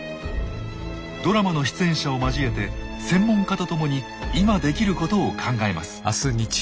ドラマの出演者を交えて専門家と共に今できることを考えます。